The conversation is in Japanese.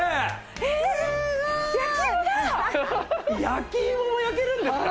焼き芋も焼けるんですか？